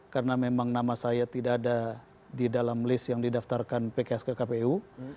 karena memang nama saya tidak ada di dalam list yang didaftarkan pks ke kpu